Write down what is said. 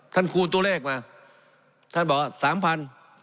ท่านคูณตัวเลขน่ะท่านบอกครับ๓๐๐๐บาท